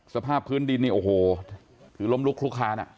สภาพพื้นดินนี่โอ้โหคือล้มลุกลุกคาน